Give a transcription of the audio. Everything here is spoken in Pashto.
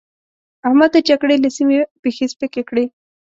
احمد د جګړې له سيمې پښې سپکې کړې.